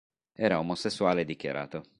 Era omosessuale dichiarato.